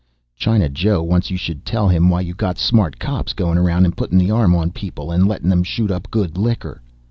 "China Joe wants you should tell him why you got smart cops going around and putting the arm on people and letting them shoot up good liquor.